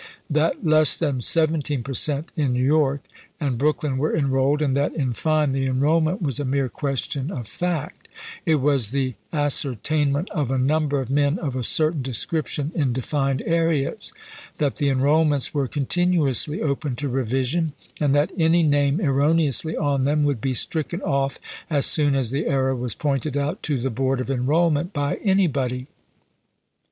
; that less than 17 per cent, in New York and Brooklyn were enrolled, and that, in fine, the enrollment was "a mere question of fact "; it was the ascertainment of a number of men of a certain description in defined areas ; that the enrollments were continuously open to revision, and that any name erroneously on them would be stricken off as soon as the error was pointed out to the Board of Enrollment by anybody.